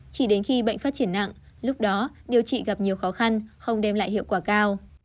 chỉ đến khi bệnh phát triển nặng lúc đó điều trị gặp nhiều khó khăn không đem lại hiệu quả cao